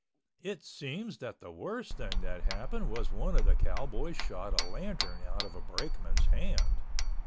It seems that the worst thing that happened was one of the cowboys shot a lantern out of a brakeman's hand.